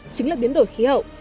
chính là biến đổi khí hậu